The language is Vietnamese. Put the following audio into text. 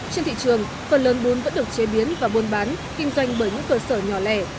trên thị trường phần lớn bún vẫn được chế biến và buôn bán kinh doanh bởi những cơ sở nhỏ lẻ